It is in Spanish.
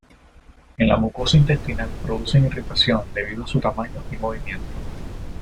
En la mucosa intestinal producen irritación debido a su tamaño y movimiento.